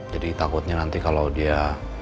jadi takutnya nanti kalau dia